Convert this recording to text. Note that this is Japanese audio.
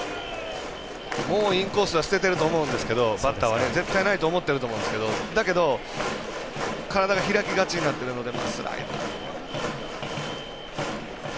もうインコースは捨ててると思うんですけど絶対ないと思ってると思うんですけどだけど、体が開きがちになっているので。